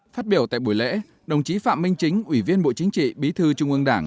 phát biểu tại buổi lễ đồng chí phạm minh chính ủy viên bộ chính trị bí thư trung ương đảng